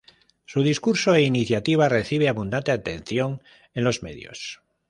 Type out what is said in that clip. Su discurso e iniciativa recibe abundante atención en los medios.